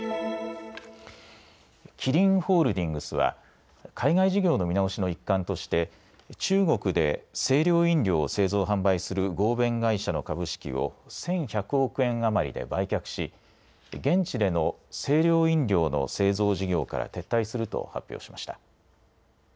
キリンホールディングスは海外事業の見直しの一環として中国で清涼飲料を製造・販売する合弁会社の株式を１１００億円余りで売却し現地での清涼飲料の製造事業から撤退すると発表しました。